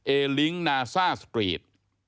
เอลิ้งนาซ่าสตรีท